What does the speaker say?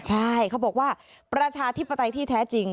ใช่เขาบอกว่าประชาธิปไตยที่แท้จริง